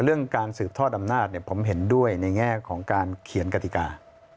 เรื่องการสืบทอดอำนาจผมเห็นด้วยในแง่ของการเขียนกติกา